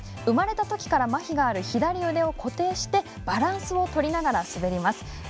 生まれたときからまひがある左手を固定してバランスをとりながら滑ります。